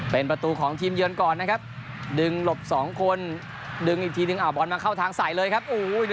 เป็นประตูของทีมเยือนก่อนนะครับดึงหลบสองคนดึงอีกทีนึงเอาบอลมาเข้าทางใส่เลยครับ